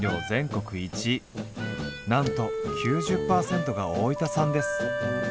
なんと９０％が大分産です。